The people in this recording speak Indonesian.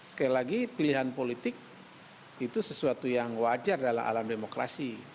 sekali lagi pilihan politik itu sesuatu yang wajar dalam alam demokrasi